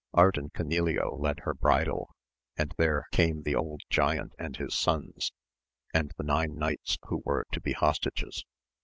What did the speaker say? Ardan Canileo led her bridle, and there came the old giant and his sons, and the nine knights who were to be hostages.